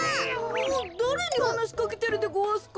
だれにはなしかけてるでごわすか？